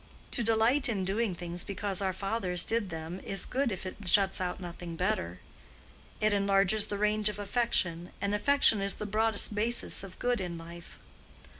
To delight in doing things because our fathers did them is good if it shuts out nothing better; it enlarges the range of affection—and affection is the broadest basis of good in life."